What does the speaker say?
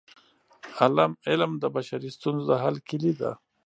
علم د بشري ستونزو د حل کيلي ده.